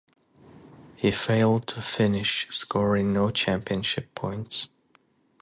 He failed to finish, scoring no championship points.